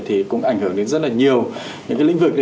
thì cũng ảnh hưởng đến rất là nhiều những lĩnh vực